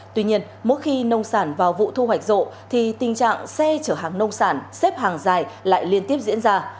tuy nhiên mỗi khi nông sản vào vụ thu hoạch rộ thì tình trạng xe chở hàng nông sản xếp hàng dài lại liên tiếp diễn ra